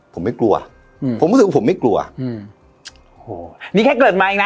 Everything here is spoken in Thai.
ผมไม่กลัวอืมผมรู้สึกว่าผมไม่กลัวอืมโอ้โหนี่แค่เกิดมาอีกนะ